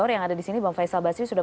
bagus itu loh